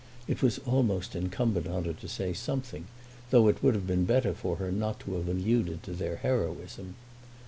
It was almost incumbent on her to say something, though it would have been better for her not to have alluded to their heroism.